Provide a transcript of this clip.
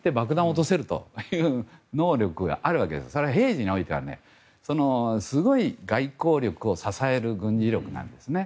落とせるという能力があるわけで、平時においてはすごい外交力を支える軍事力なんですね。